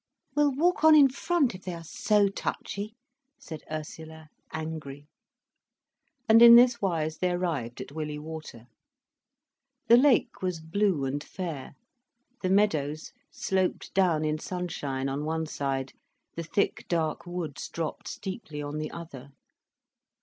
"We'll walk on in front, if they are so touchy," said Ursula, angry. And in this wise they arrived at Willey Water. The lake was blue and fair, the meadows sloped down in sunshine on one side, the thick dark woods dropped steeply on the other.